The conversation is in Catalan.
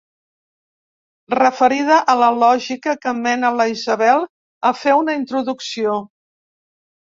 Referida a la lògica que mena la Isabel a fer una introducció.